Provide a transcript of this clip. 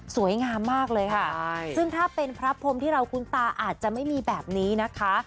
สวยงามมากเลยค่ะซึ่งถ้าเป็นพระพรมที่เราคุ้นตาอาจจะไม่มีแบบนี้นะคะ